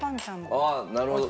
ああなるほど。